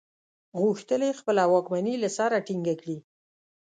غوښتل یې خپله واکمني له سره ټینګه کړي.